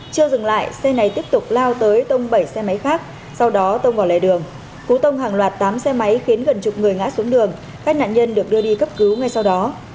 chưa dừng lại xe này tiếp tục lao tới tông bảy xe máy khác sau đó tông vào lề đường cú tông hàng loạt tám xe máy khiến gần chục người ngã xuống đường các nạn nhân được đưa đi cấp cứu ngay sau đó